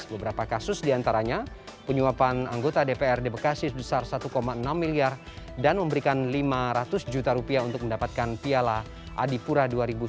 beberapa kasus diantaranya penyuapan anggota dpr di bekasi sebesar satu enam miliar dan memberikan lima ratus juta rupiah untuk mendapatkan piala adipura dua ribu sembilan belas